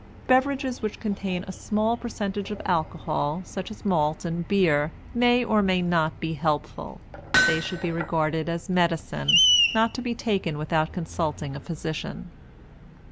Beverages which contain a small percentage of alcohol, such as malt and beer, may or may not be helpful; they should be regarded as medicine, not to be taken without consulting a physician.